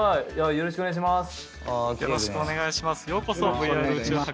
よろしくお願いします。